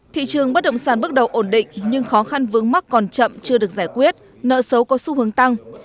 thị trường bất động sản bước đầu ổn định nhưng khó khăn vướng mắc còn chậm chưa được giải quyết nợ xấu có xu hướng tăng